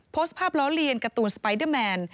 โพสต์ภาพล้อเลียนการ์ตูนสไปเดอร์แมน